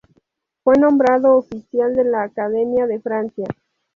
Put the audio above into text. Fue nombrado oficial de la Academia de Francia.